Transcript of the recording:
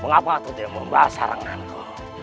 mengapa aku tidak membahas haranganku